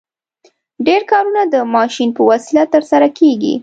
ډېر کارونه د ماشین په وسیله ترسره کیږي.